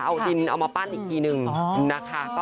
เอาดินเอามาปั้นอีกทีนึงนะคะ